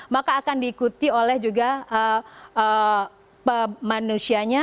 maka akan diikuti oleh juga manusianya